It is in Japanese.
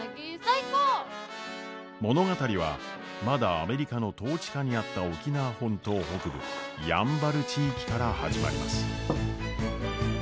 物語はまだアメリカの統治下にあった沖縄本島北部やんばる地域から始まります。